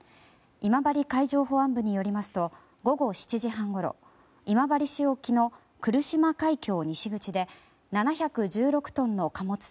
今治海上保安部によりますと午後７時半ごろ今治市沖の来島海峡西口で７１６トンの貨物船